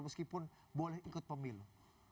meskipun boleh ikut pemilu